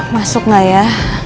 masuk gak ya